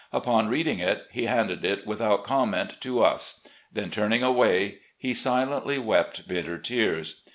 After reading it, he handed it without comment to us; then, turning away, he silently wept bitter tears.